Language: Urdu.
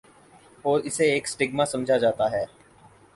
اور اسے ایک سٹیگما سمجھا جاتا ہے۔